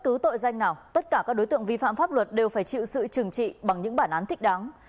cứ tội danh nào tất cả các đối tượng vi phạm pháp luật đều phải chịu sự trừng trị bằng những bản án thích đáng